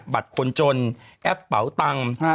บัตรคนจนแอปเป๋าตังค์